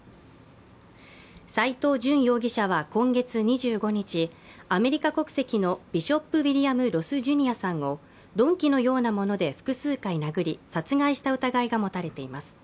斉藤淳容疑者は今月２５日、アメリカ国籍のビショップ・ウィリアム・ロス・ジュニアさんを鈍器のようなもので複数回殴り殺害した疑いが持たれています。